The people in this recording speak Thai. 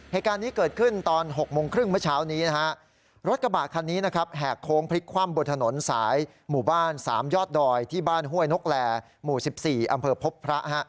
เหตุการณ์นี้เกิดขึ้นตอน๖โมงครึ่งเมื่อเช้านี้นะฮะ